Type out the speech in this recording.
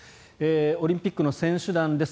オリンピックの選手団です。